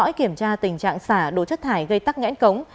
khi có kiểm tra tình trạng xả đồ chất thải gây tắc ngãn cống